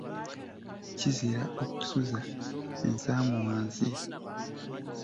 Kizira okusuza ensaamu wansi.